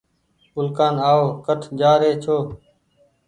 اُولڪآن آئو ڪٺ جآ رهي ڇو